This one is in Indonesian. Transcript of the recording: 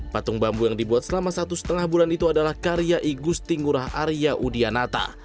patung bambu yang dibuat selama satu setengah bulan itu adalah karya igusti ngurah arya udianata